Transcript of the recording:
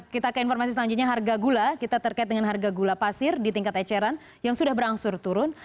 kita ke informasi selanjutnya harga gula kita terkait dengan harga gula pasir di tingkat eceran yang sudah berangsur turun